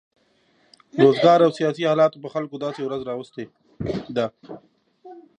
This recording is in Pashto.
روزګار او سیاسي حالاتو پر خلکو داسې ورځ راوستې ده.